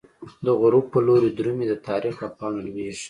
دغروب په لوری درومی، د تاریخ له پاڼو لویږی